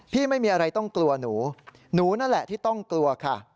ไม่มีอะไรต้องกลัวหนูหนูนั่นแหละที่ต้องกลัวค่ะ